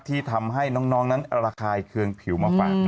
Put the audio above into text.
ที่ทำให้น้องนั้นระคายเคืองผิวมาฝาก